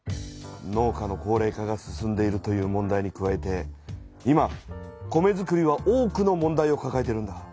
農家の高れい化が進んでいるという問題に加えて今米づくりは多くの問題をかかえているんだ。